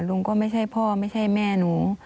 ลุงก็ไม่ใช่พ่อไม่ใช่แม่หนู